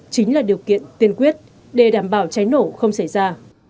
chính là điều kiện tiên quyết để đảm bảo cháy nổ không xảy ra